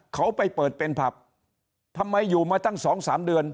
เขาไปเปิดเป็นผับทำไมอยู่มาตั้งสองสามเดือน